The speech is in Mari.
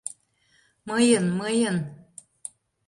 — Мыйын, мыйын!